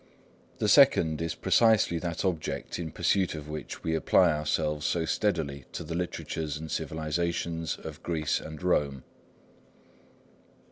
The second is precisely that object in pursuit of which we apply ourselves so steadily to the literatures and civilisations of Greece and Rome.